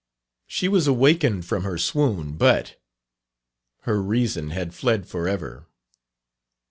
She was awakened from her swoon, but her reason had fled for ever."